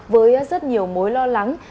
với rất nhiều mối lo lắng